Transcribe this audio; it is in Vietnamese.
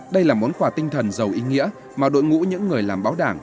đây là món quà tinh thần giàu ý nghĩa mà đội ngũ những người làm báo đảng